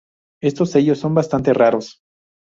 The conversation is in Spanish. Estos sellos son bastante raros.